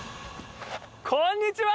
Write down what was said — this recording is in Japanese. こんにちは！